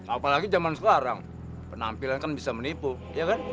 apalagi zaman sekarang penampilan kan bisa menipu ya kan